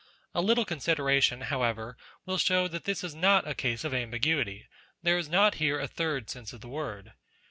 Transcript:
A little consideration, however, will show that this is not a case of ambiguity ; there is not here a third sense of the word.